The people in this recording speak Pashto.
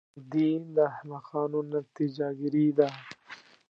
نا امیدي د احمقانو نتیجه ګیري ده.